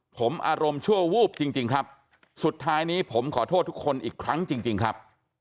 ผมอารมณ์ชั่ววูบจริงครับสุดท้ายนี้ผมขอโทษทุกคนอีกครั้งจริงครับ